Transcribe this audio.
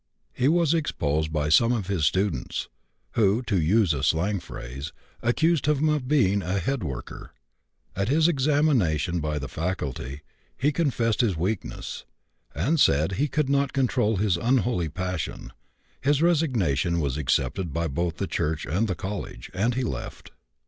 He was exposed by some of his students, who, to use a slang phrase, accused him of being a 'head worker.' At his examination by the faculty he confessed his weakness, and said he could not control his unholy passion. His resignation was accepted both by the church and the college, and he left.